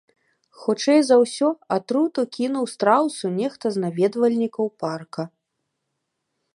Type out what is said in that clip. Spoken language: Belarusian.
Хутчэй за ўсё, атруту кінуў страусу нехта з наведвальнікаў парка.